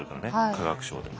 化学賞で。